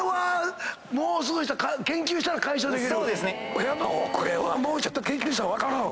声の遅れはもうちょっと研究したら分かるん？